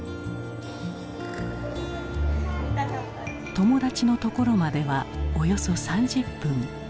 友達のところまではおよそ３０分。